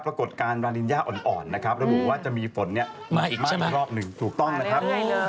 ปรากฏการณ์วานินยาอ่อนนะครับระบุว่าจะมีฝนเนี่ยมาอีกรอบหนึ่งถูกต้องนะครับ